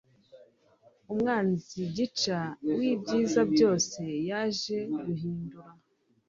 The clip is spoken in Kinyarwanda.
umwanzi gica wibyiza byose yaje guhindura